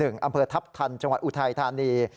อำเภอทัพทันจังหวัดอุทัยธานี